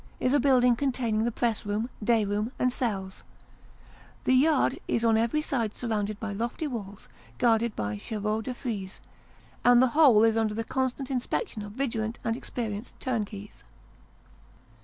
155 is a building containing the press room, day room, and cells ; the yard is on every side surrounded by lofty walls guarded by chevaux de frise ; and the whole is under the constant inspection of vigilant and experienced turnkeys.